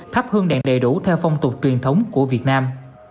thắp hương đèn đầy đủ theo phong tục truyền thống của việt nam